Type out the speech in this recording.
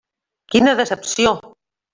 Quina decepció!